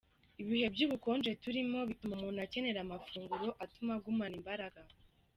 Ibihe by’ubukonje turimo bituma umuntu akenera amafunguro atuma agumana imbaraga.